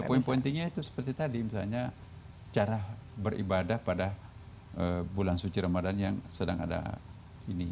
ya poin poin pentingnya itu seperti tadi misalnya cara beribadah pada bulan suci ramadhan yang sedang ada ini